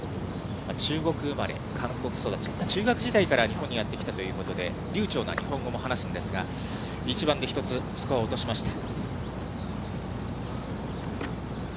中国生まれ、韓国育ち、中学時代から日本にやって来たということで、流ちょうな日本語も話すんですが、１番で１つスコアを落としました。